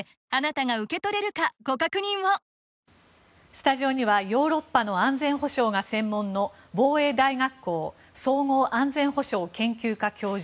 スタジオにはヨーロッパの安全保障が専門の防衛大学校総合安全保障研究科教授